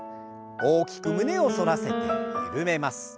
大きく胸を反らせて緩めます。